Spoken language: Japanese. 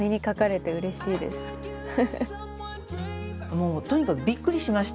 もうとにかくびっくりしました。